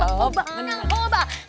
hobak hobak menang hobak